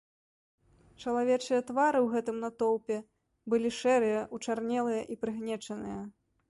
Чалавечыя твары ў гэтым натоўпе былі шэрыя, учарнелыя і прыгнечаныя.